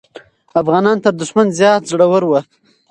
افغانان تر دښمن زیات زړور وو.